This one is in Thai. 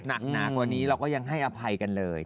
หนักหนากว่านี้เราก็ยังให้อภัยกันเลย